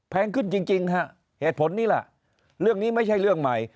แพงขึ้นจริงฮะเหตุผลนี้ล่ะเรื่องนี้ไม่ใช่เรื่องใหม่